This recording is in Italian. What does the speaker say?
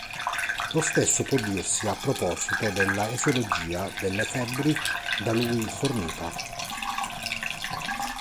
Lo stesso può dirsi a proposito della eziologia delle febbri da lui fornita.